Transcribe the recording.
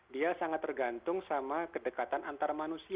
dia sangat tergantung sama kedekatan antar manusia